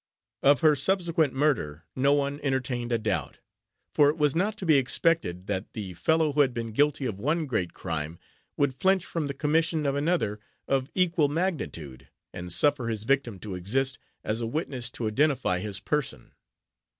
Of her subsequent murder, no one entertained a doubt; for it was not to be expected, that the fellow who had been guilty of one great crime, would flinch from the commission of another, of equal magnitude, and suffer his victim to exist, as a witness to identify his person.